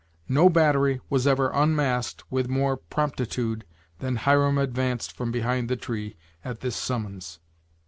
No battery was ever unmasked with more promptitiude than Hiram advanced from behind the tree at this summons.